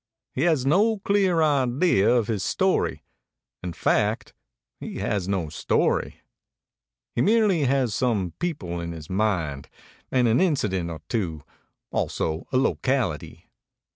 He has no clear idea of his story; in fact, he has no story. He merely has some people in his mind, and an incident or two, also a locality.